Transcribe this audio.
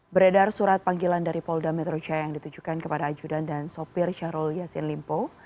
beredar surat panggilan dari polda metro jaya yang ditujukan kepada ajudan dan sopir syahrul yassin limpo